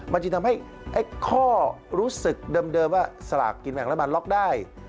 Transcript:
มันจึงทำให้ข้อรู้สึกเดิมว่าสลากกินแบ่งรัฐบาลล็อกได้